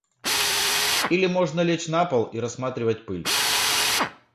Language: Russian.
Или можно лечь на пол и рассматривать пыль.